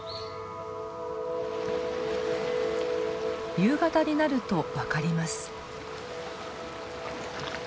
夕方になると分かります。